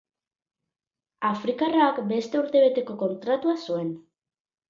Afrikarrak beste urtebeteko kontratua zuen.